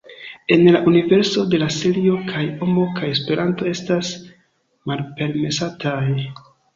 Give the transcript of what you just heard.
En la universo de la serio kaj amo kaj Esperanto estas malpermesataj.